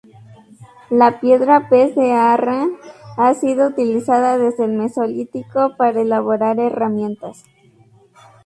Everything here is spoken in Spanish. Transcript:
La piedra pez de Arran ha sido utilizada desde el Mesolítico para elaborar herramientas.